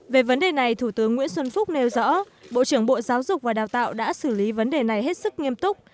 về vấn đề này thủ tướng nguyễn xuân phúc nêu rõ bộ trưởng bộ giáo dục và đào tạo đã xử lý vấn đề này hết sức nghiêm túc